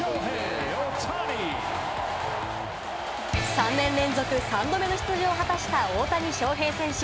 ３年連続３度目の出場を果たした大谷翔平選手。